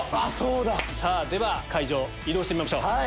では会場移動してみましょう。